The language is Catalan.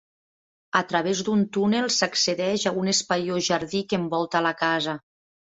A través d'un túnel s'accedeix a un espaiós jardí que envolta la casa.